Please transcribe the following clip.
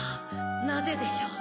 なぜでしょう？